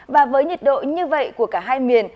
và với nhiệt độ như vậy của cả hai miền